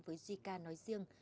với gk nói riêng